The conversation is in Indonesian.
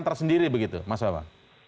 tersendiri begitu mas bapak